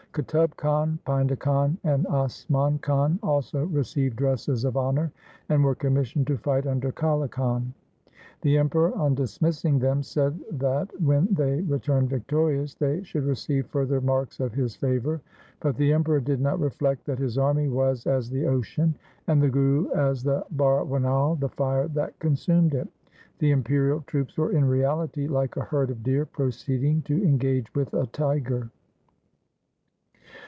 Qutub Khan, Painda Khan, and Asman Khan also received dresses of honour, and were commissioned to fight under Kale Khan. The Emperor on dismissing them said that, when they returned victorious, they should receive further marks of his favour. But the Emperor did not reflect that his army was as the ocean, and the Guru as the barwanal, the fire that consumed it. The imperial troops were in reality like a herd of deer proceeding to engage with a tiger.